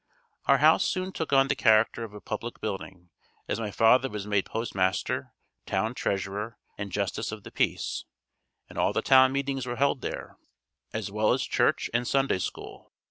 Our house soon took on the character of a public building, as my father was made Postmaster, Town Treasurer and Justice of the Peace, and all the town meetings were held there, as well as church and Sunday school.